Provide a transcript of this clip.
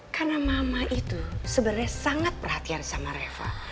karena mama itu sebenernya sangat perhatian sama reva